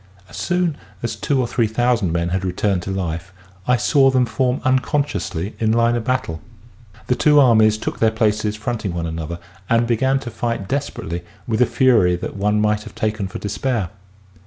As soon as two or three thousand men had returned to life, I saw them form unconsciously in line of battle. The two armies took their places fronting one another, and began to fight desperately with a fury that one might have taken for despair.